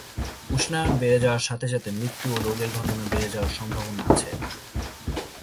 উষ্ণায়ন বেড়ে যাওয়ার সাথে সাথে মৃত্যু ও রোগের ঘটনা বেড়ে যাওয়ার সম্ভাবনা আছে।